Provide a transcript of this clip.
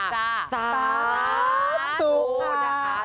สาสาสุค่ะ